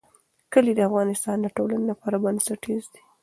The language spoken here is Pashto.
کلي د افغانستان د ټولنې لپاره بنسټیز دي.